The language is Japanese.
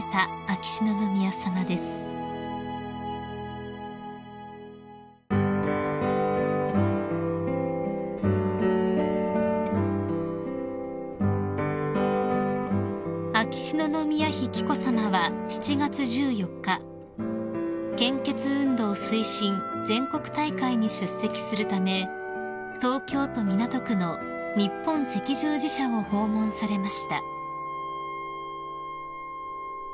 ［秋篠宮妃紀子さまは７月１４日献血運動推進全国大会に出席するため東京都港区の日本赤十字社を訪問されました］